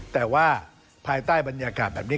แต่ว่าภายใต้บรรยากาศแบบนี้